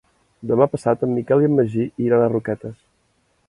Demà passat en Miquel i en Magí iran a Roquetes.